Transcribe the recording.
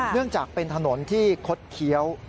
เนื่องจากเป็นถนนที่คดเคี้ยว